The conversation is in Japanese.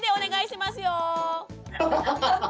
ハハハハッ！